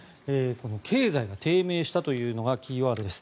経済が低迷したというのがキーワードです。